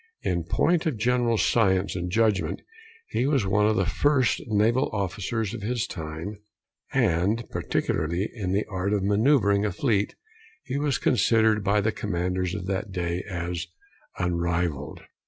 In point of general science and judgment, he was one of the first naval officers of his time; and, particularly in the art of manoeuvring a fleet, he was considered by the commanders of that day as unrivalled.